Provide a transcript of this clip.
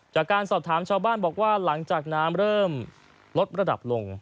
จากการสอบถามชาวบ้านบอกว่าหลังจากน้ำเริ่มลดระดับลง